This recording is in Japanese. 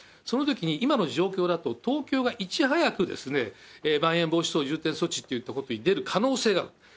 そのときに今の状況だと、東京がいち早くまん延防止等重点措置ということに出る可能性がある。